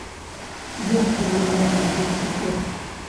Як яны могуць быць супраць?